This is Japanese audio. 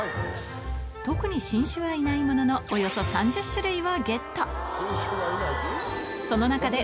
特に新種はいないものの、およそ３０種類をゲット。